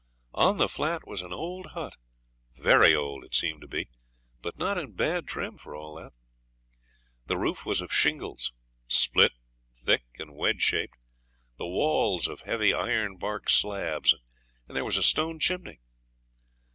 On the flat was an old hut very old it seemed to be, but not in bad trim for all that. The roof was of shingles, split, thick, and wedge shaped; the walls of heavy ironbark slabs, and there was a stone chimney.